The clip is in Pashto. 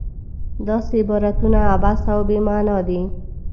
داسې عبارتونه عبث او بې معنا دي.